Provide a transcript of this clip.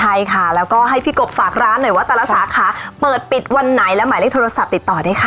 ใช่ค่ะแล้วก็ให้พี่กบฝากร้านหน่อยว่าแต่ละสาขาเปิดปิดวันไหนและหมายเลขโทรศัพท์ติดต่อด้วยค่ะ